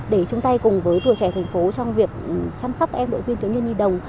để chúng ta cùng với tùa trẻ thành phố trong việc chăm sóc em đội viên thiếu niên đi đồng